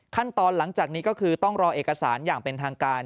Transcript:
หลังจากนี้ก็คือต้องรอเอกสารอย่างเป็นทางการ